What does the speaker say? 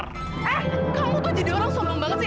eh kamu kok jadi orang sombong banget sih